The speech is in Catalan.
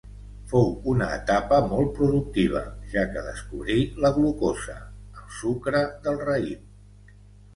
Fou una etapa molt productiva, ja que descobrí la glucosa, el sucre del raïm.